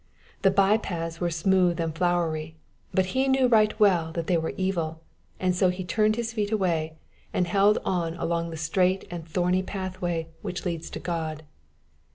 The by paths were smooth and flowery, but he knew right well that they were evil, and so he turned his feet away, and held on along the strait and thorny pathway which leads to God.